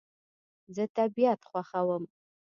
زه طبیعت خوښوم